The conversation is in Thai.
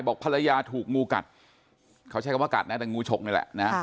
บอกภรรยาถูกงูกัดเขาใช้คำว่ากัดนะแต่งูฉกนี่แหละนะ